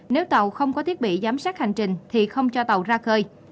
nếu tàu không có thiết bị giám sát hành trình thì không cho tàu ra khơi